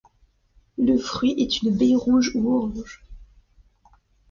Le fruit est une baie rouge ou orange.